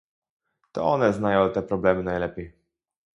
To one znają te problemy najlepiej